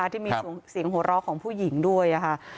ที่มีเสียงโหลกของผู้หญิงด้วย